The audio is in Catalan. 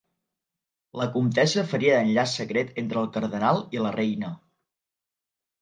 La comtessa faria d'enllaç secret entre el cardenal i la reina.